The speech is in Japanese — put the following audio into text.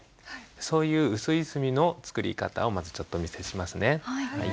そういう薄い墨の作り方をまずちょっとお見せしますね。